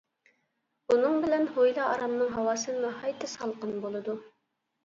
بۇنىڭ بىلەن ھويلا ئارامنىڭ ھاۋاسى ناھايىتى سالقىن بولىدۇ.